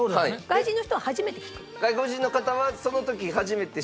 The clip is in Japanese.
外人の人は初めて聴く？